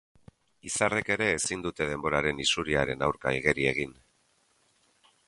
Izarrek ere ezin dute denboraren isuriaren aurka igeri egin.